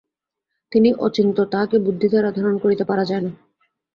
তিনি অচিন্ত্য, তাঁহাকে বুদ্ধি দ্বারা ধারণা করিতে পারা যায় না।